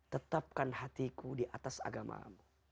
tetapkan hatiku di atas agama mu